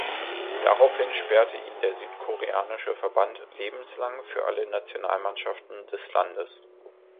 Daraufhin sperrte ihn der südkoreanische Verband lebenslang für alle Nationalmannschaften des Landes.